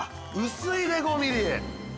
◆薄いね、５ミリ。